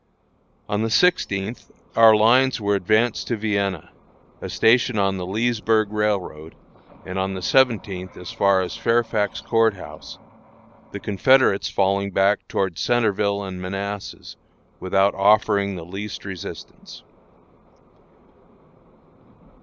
On the sixteenth our lines were advanced to Vienna, a station on the Leesburg Railroad, and on the seventeenth as far as Fairfax Court House, the Confederates falling back toward Centreville and Manassas without offering the least resistance.